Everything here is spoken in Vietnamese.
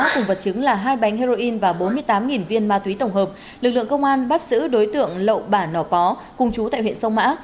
cùng vật chứng là hai bánh heroin và bốn mươi tám viên ma túy tổng hợp lực lượng công an bắt giữ đối tượng lậu bản nò pó cùng chú tại huyện sông mã